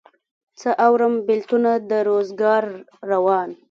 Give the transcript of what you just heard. څه اورم بېلتونه د روزګار روان